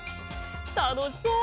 たのしそう！